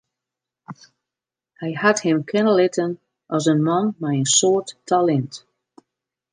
Hy hat him kenne litten as in man mei in soad talint.